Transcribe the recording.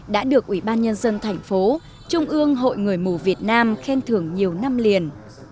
đã được ủy ban nhân dân thành phố trung ương hội người mù việt nam khen thưởng nhiều năm liền